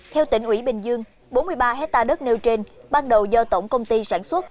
theo tỉnh ủy bình dương bốn mươi ba hectare đất nêu trên ban đầu do tổng công ty sản xuất